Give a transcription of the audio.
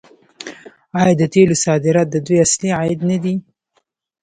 آیا د تیلو صادرات د دوی اصلي عاید نه دی؟